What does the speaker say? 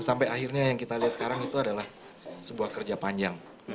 sampai akhirnya yang kita lihat sekarang itu adalah sebuah kerja panjang